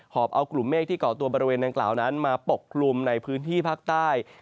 อบเอากลุ่มเมฆที่เกาะตัวบริเวณดังกล่าวนั้นมาปกกลุ่มในพื้นที่ภาคใต้